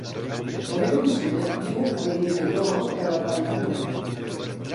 La meva cosina viu a Benifairó de la Valldigna.